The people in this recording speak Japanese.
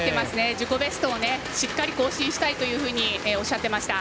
自己ベストをしっかり更新したいというふうにおっしゃっていました。